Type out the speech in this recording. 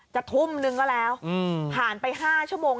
จะทุ่มนึงก็แล้วผ่านไป๕ชั่วโมง